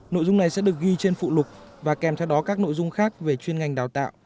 nội dung này sẽ được ghi trên phụ lục và kèm theo đó các nội dung khác về chuyên ngành đào tạo